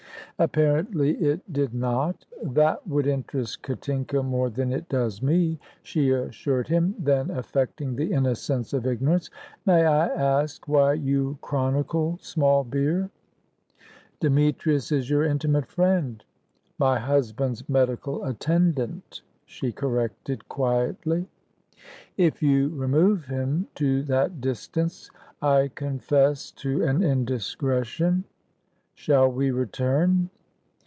Apparently it did not. "That would interest Katinka more than it does me," she assured him; then, affecting the innocence of ignorance, "May I ask why you chronicle small beer?" "Demetrius is your intimate friend." "My husband's medical attendant," she corrected quietly. "If you remove him to that distance, I confess to an indiscretion. Shall we return?"